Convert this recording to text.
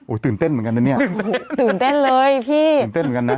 ตื่นเต้นเหมือนกันนะเนี่ยตื่นเต้นเลยพี่ตื่นเต้นเหมือนกันนะ